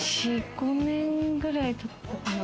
５年くらいたったかな？